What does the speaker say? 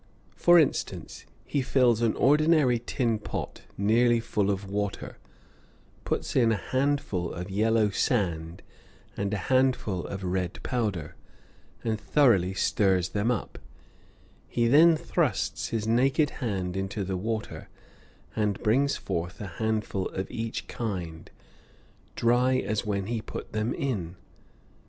For instance, he fills an ordinary tin pot nearly full of water, puts in a handful of yellow sand and a handful of red powder, and thoroughly stirs them up; he then thrusts his naked hand into the water and brings forth a handful of each kind, dry as when he put them in.